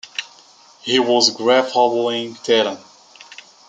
He was a great footballing talent.